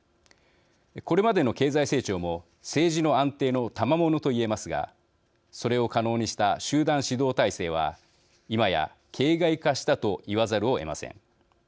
これまでの経済成長も政治の安定のたまものといえますがそれを可能にした集団指導体制は今や形骸化したといわざるをえません。